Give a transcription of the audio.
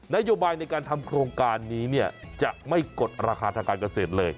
นโยบายในการทำโครงการนี้เนี่ยจะไม่กดราคาทางการเกษตรเลย